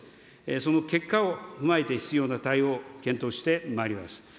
その結果を踏まえて必要な対応を検討してまいります。